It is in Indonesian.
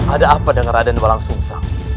ada apa dengan raden walang sungsang